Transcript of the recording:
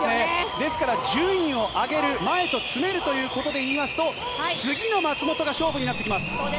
ですから順位を上げる前と詰めるということで言いますと次の松元が勝負になってきます。